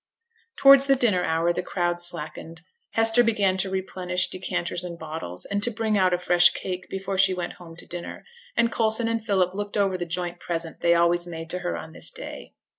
Towards the dinner hour the crowd slackened; Hester began to replenish decanters and bottles, and to bring out a fresh cake before she went home to dinner; and Coulson and Philip looked over the joint present they always made to her on this day.